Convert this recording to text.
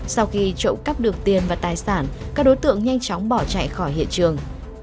sau khi trộm cắp được tiền và tài sản các đối tượng nhanh chóng bỏ chạy khỏi hiện trường